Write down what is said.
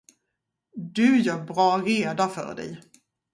Du gör bra reda för dig.